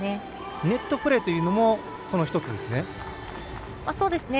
ネットプレーというのもその１つですね。